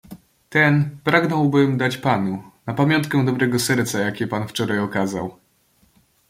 "Ten pragnąłbym dać panu, na pamiątkę dobrego serca, jakie pan wczoraj okazał."